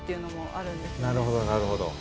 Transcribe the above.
なるほどなるほど。